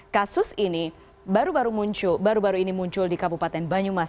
kasus ini baru baru ini muncul di kabupaten banyumas